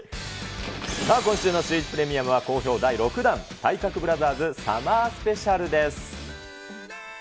さあ、今週のシューイチプレミアムは、好評第６弾、体格ブラザーズサマースペシャルです。